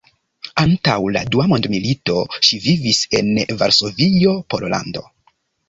Antaŭ la Dua mondmilito ŝi vivis en Varsovio, Pollando.